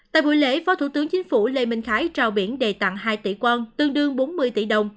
tại buổi lễ phó thủ tướng chính phủ lê minh khái trao biển đề tặng hai tỷ quân tương đương bốn mươi tỷ đồng